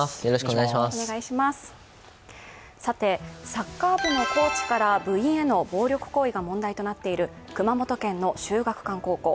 サッカー部のコーチから部員への暴力行為が問題となっている熊本県の秀岳館高校。